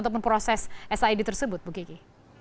ataupun proses sid tersebut bu kiki